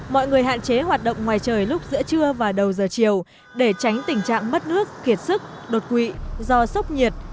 mọi người hạn chế hoạt động ngoài trời lúc giữa trưa và đầu giờ chiều để tránh tình trạng mất nước kiệt sức đột quỵ do sốc nhiệt